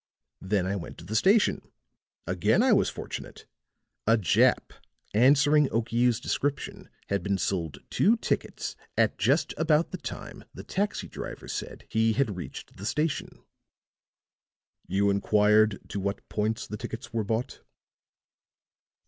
Then I went to the station. Again I was fortunate. A Jap answering Okiu's description had been sold two tickets at just about the time the taxi driver said he had reached the station." "You inquired to what points the tickets were bought?"